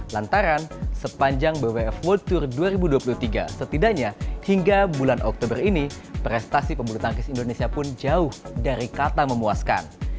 lantaran sepanjang bwf world tour dua ribu dua puluh tiga setidaknya hingga bulan oktober ini prestasi pembulu tangkis indonesia pun jauh dari kata memuaskan